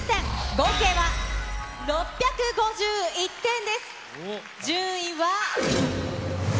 合計は６５１点です。